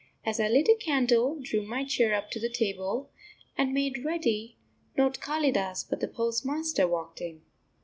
As I lit a candle, drew my chair up to the table, and made ready, not Kalidas, but the postmaster, walked in.